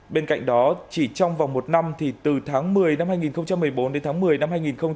bên cạnh đó chỉ trong vòng một năm thì từ tháng một mươi năm hai nghìn một mươi bốn đến tháng một mươi năm hai nghìn một mươi tám